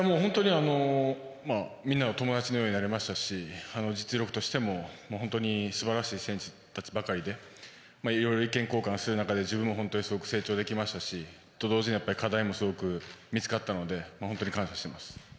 みんな友達のようになれましたし実力としても本当に素晴らしい選手たちばかりでいろいろ意見交換する中で自分も成長できましたしと、同時に課題も見つかったので感謝しています。